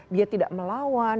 dia tidak melawan